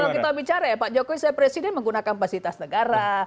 kalau kita bicara ya pak jokowi saya presiden menggunakan fasilitas negara